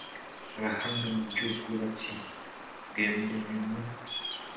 abahanga mu by ubwubatsi rwemewe mu